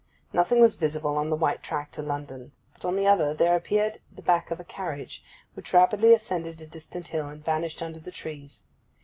Nothing was visible on the white track to London; but on the other there appeared the back of a carriage, which rapidly ascended a distant hill and vanished under the trees.